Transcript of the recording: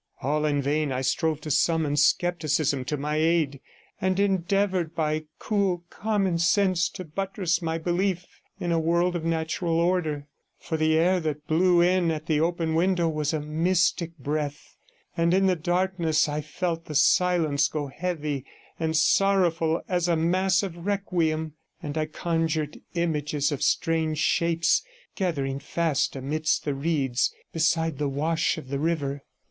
All in vain I strove to summon scepticism to my aid, and endeavoured by cool common sense to buttress my belief in a world of natural order, for the air that blew in at the open window was a mystic breath, and in the darkness I felt the silence go heavy and sorrowful as a mass of requiem, and I conjured images of strange shapes gathering fast amidst the reeds, beside the wash of the river.